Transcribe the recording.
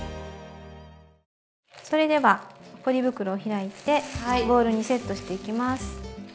それではポリ袋を開いてボウルにセットしていきます。